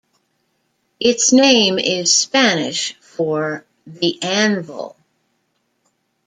Its name is Spanish for "The Anvil".